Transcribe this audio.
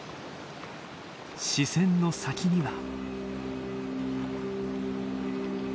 視線の先には。